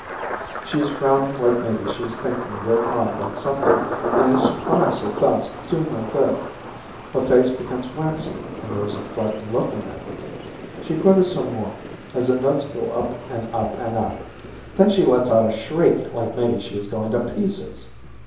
She is frowning like maybe she is thinking real hard about something and is surprised her thoughts do no good. Her face becomes waxy and there is a frightened look on it. She quivers some more, as the notes go up and up and up. Then she lets out a shriek, like maybe she is going to pieces.